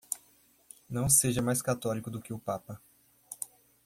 Não seja mais católico do que papa.